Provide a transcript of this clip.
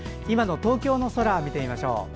今の東京の空を見てみましょう。